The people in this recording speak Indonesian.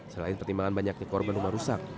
selain pertimbangan banyaknya korban rumah rusak